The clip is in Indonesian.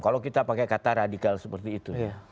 kalau kita pakai kata radikal seperti itu